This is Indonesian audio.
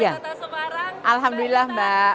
di kota semarang alhamdulillah mbak